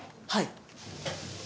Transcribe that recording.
はい。